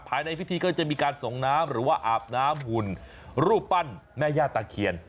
ภายในพิธีก็จะมีการส่งน้ำหรือว่าอาบน้ำหุ่นรูปปั้นแม่ย่าตะเคียน